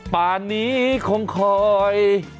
ป่านนี้คงคอย